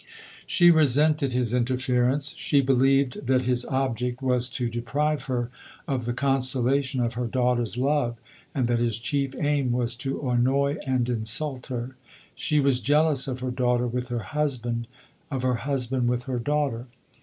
She resented his interference; she believed that his object was to deprive her of the consolation of her daughter's love, and that his chief aim was to annoy and insult her. She was jealous of her daughter with her husband, of her husband with her daughter.